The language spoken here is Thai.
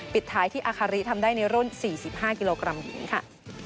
ปิดท้ายที่อาคาริทำได้ในรุ่น๔๕กิโลกรัมหญิงค่ะ